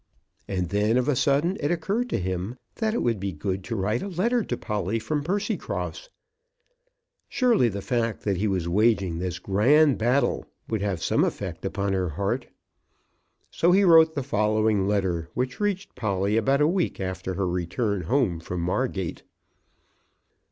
And then, of a sudden, it occurred to him that it would be good to write a letter to Polly from Percycross. Surely the fact that he was waging this grand battle would have some effect upon her heart. So he wrote the following letter, which reached Polly about a week after her return home from Margate.